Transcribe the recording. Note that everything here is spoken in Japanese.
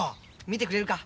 見てくれるか。